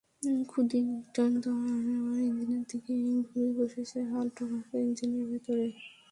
খুদে লোকটা আবার ইঞ্জিনের দিকে ঘুরে বসেছে, হাত ঢোকাচ্ছে ইঞ্জিনের ভেতরে।